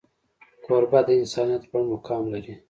کوربه د انسانیت لوړ مقام لري.